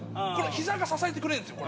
ひざが支えてくれるんですよ。